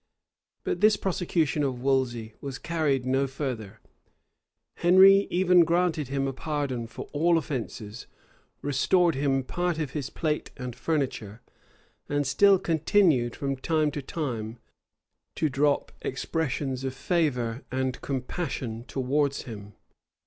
But this prosecution of Wolsey was carried no further. Henry even granted him a pardon for all offences; restored him part of his plate and furniture; and still continued, from time to time, to drop expressions of favor and compassion towards him.